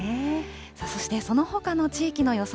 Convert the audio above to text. そしてそのほかの地域の予想